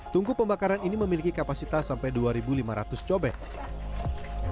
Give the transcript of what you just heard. tungku pembakaran ini memiliki kapasitas sampai dua lima ratus cobek